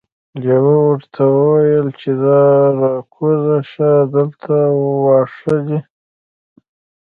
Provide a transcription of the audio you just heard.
لیوه ورته وویل چې راکوزه شه دلته واښه دي.